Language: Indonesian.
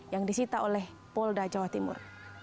yang disita oleh polda jawa timur